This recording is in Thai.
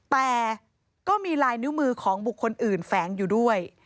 แต่ก็มีลายนิ้วมือของบุคคลอื่นแฝงอยู่ด้วย